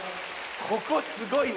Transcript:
ここすごいね。